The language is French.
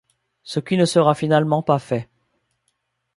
Ce qui ne sera finalement pas fait.